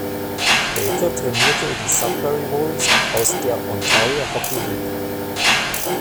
Später trainierte er die Sudbury Wolves aus der Ontario Hockey League.